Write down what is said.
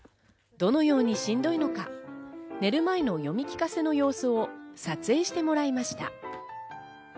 どのようにしんどいのか、寝る前の読み聞かせの様子を撮影してもらいました。